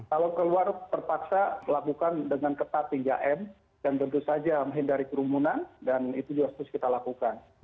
kalau keluar terpaksa lakukan dengan ketat hingga m dan tentu saja menghindari kerumunan dan itu juga harus kita lakukan